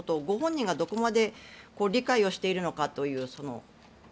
ご本人がどこまで理解しているのかという。